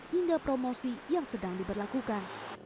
hingga promosi yang sedang diberlakukan